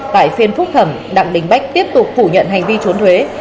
tại phiên phúc thẩm đặng đình bách tiếp tục phủ nhận hành vi trốn thuế